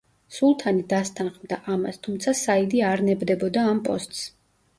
სულთანი დასთანხმდა ამას, თუმცა საიდი არ ნებდებოდა ამ პოსტს.